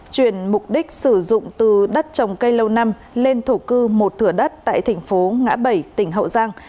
chuyển mục đích sử dụng từ đất trồng cây lâu năm lên thổ cư một thửa đất tại thành phố ngã bảy tỉnh hậu giang